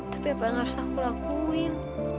tapi apa yang harus aku lakuin